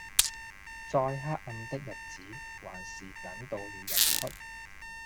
再黑暗的日子還是等到了日出